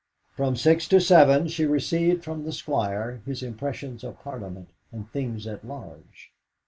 From six to seven she received from the Squire his impressions of Parliament and things at large.